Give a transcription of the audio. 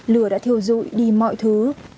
lửa đã thiêu rụi đi mọi thứ